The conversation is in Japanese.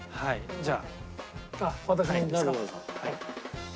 じゃあ。